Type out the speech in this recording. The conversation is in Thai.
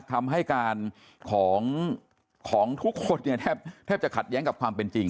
คำให้การของทุกคนเนี่ยแทบจะขัดแย้งกับความเป็นจริง